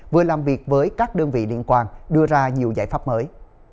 vừa làm việc với các đơn vị liên quan đưa ra nhiều giải pháp mới